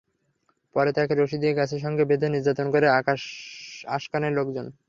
পরে তাঁকে রশি দিয়ে গাছের সঙ্গে বেঁধে নির্যাতন করেন আশকানের লোকজন।